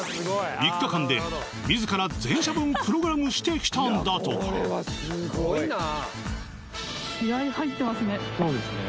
３日間で自ら全社分プログラムしてきたんだとかそうですね